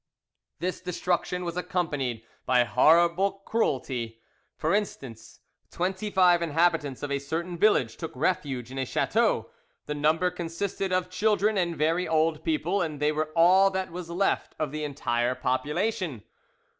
This destruction was accompanied by horrible cruelty. For instance, twenty five inhabitants of a certain village took refuge in a chateau; the number consisted of children and very old people, and they were all that was left of the entire population.